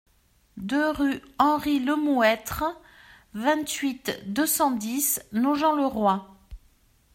deux rue Henri Lemouettre, vingt-huit, deux cent dix, Nogent-le-Roi